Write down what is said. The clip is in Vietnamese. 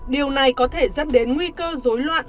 điều này có thể dẫn đến nguy cơ dối loạn